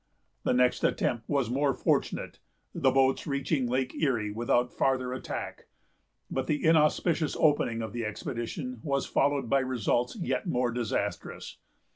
The next attempt was more fortunate, the boats reaching Lake Erie without farther attack; but the inauspicious opening of the expedition was followed by results yet more disastrous.